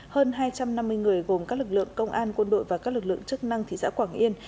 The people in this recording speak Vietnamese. hơn hai trăm năm mươi người gồm các lực lượng công an quân đội và các lực lượng chức năng thị xã quảng yên